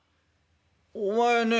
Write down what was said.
お前ね